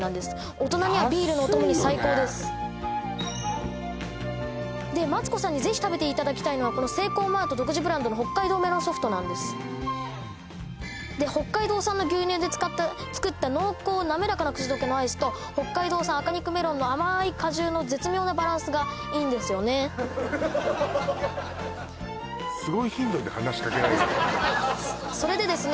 大人にはビールのおともに最高です安いよねでマツコさんにぜひ食べていただきたいのはこのセイコーマート独自ブランドの北海道産の牛乳で作った濃厚なめらかな口どけのアイスと北海道産赤肉メロンの甘い果汁の絶妙なバランスがいいんですよねそれでですね